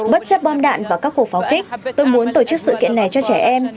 bất chấp bom đạn và các cuộc pháo kích tôi muốn tổ chức sự kiện này cho trẻ em